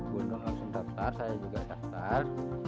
bunuhun langsung daftar saya juga daftar